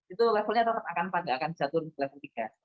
itu levelnya tetap akan empat enggak akan jatuh ke level tiga